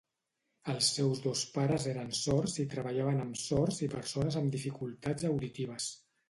Els seus dos pares eren sords i treballaven amb sords i persones amb dificultats auditives.